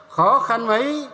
khó khăn mấy